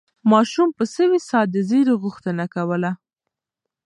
ماشوم په سوې ساه د زېري غوښتنه کوله.